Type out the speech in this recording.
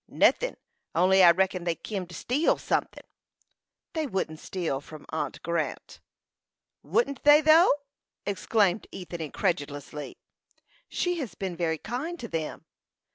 "Nothin'; only I reckon they kim to steal sunthin'." "They wouldn't steal from aunt Grant." "Wouldn't they, though!" exclaimed Ethan, incredulously. "She has been very kind to them."